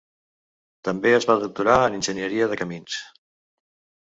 També es va doctorar en Enginyeria de Camins.